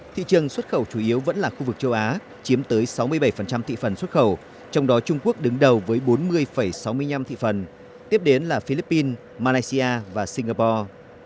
thị trường xuất khẩu chủ yếu vẫn là khu vực châu á chiếm tới sáu mươi bảy thị phần xuất khẩu trong đó trung quốc đứng đầu với bốn mươi sáu mươi năm thị phần tiếp đến là philippines malaysia và singapore